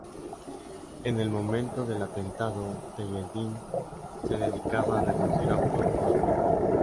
En el momento del atentado Telleldín se dedicaba a reducir autos robados.